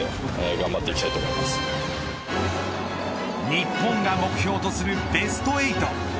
日本が目標とするベスト８。